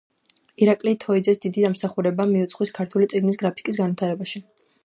ირაკლი თოიძეს დიდი დამსახურება მიუძღვის ქართული წიგნის გრაფიკის განვითარებაში.